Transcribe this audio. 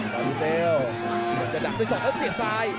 เจ้าดีเซลเจ้าจะดักซื้อสดแล้วเสียดซ้าย